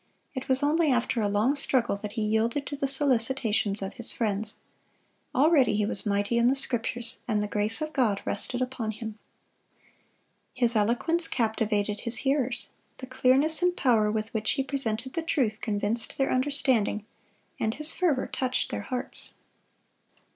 It was only after a long struggle that he yielded to the solicitations of his friends. Already he was mighty in the Scriptures, and the grace of God rested upon him. His eloquence captivated his hearers, the clearness and power with which he presented the truth convinced their understanding, and his fervor touched their hearts.